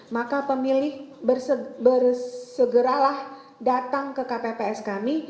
maka pemilih bersegeralah datang ke kpps kami